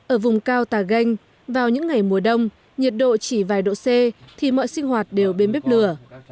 ở vùng cao tà ganh vào những ngày mùa đông nhiệt độ chỉ vài độ c thì mọi sinh hoạt đều bên bếp lửa